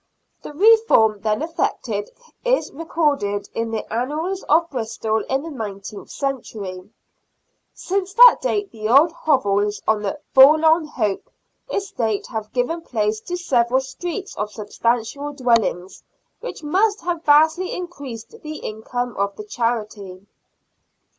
The reform then effected is recorded in the Annals of Bristol in the Nine teenth Century. Since that date the old hovels on the " Forlorn Hope " estate have given place to several streets of substantial dwellings, which must have vastly increased the income of the charity.